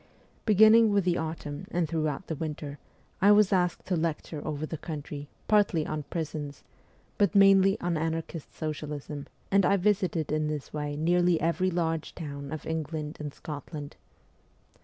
Beginning with the autumn and throughout the winter, I was asked to lecture over the country, partly on prisons, but mainly on anarchist socialism, and I visited in this way nearly every large town of England and Scotland.